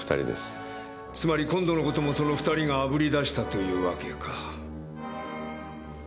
つまり今度の事もその２人があぶり出したというわけか。